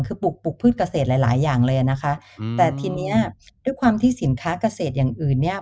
คือปลูกปลูกพืชเกษตรหลายหลายอย่างเลยอ่ะนะคะแต่ทีนี้ด้วยความที่สินค้าเกษตรอย่างอื่นเนี่ย